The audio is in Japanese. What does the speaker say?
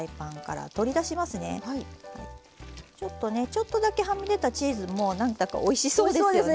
ちょっとだけはみ出たチーズも何だかおいしそうですよね。